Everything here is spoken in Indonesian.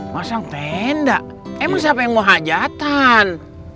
masang tenda emang siapa yang mau hajatan